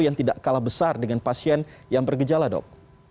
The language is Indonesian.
yang tidak kalah besar dengan pasien yang bergejala dok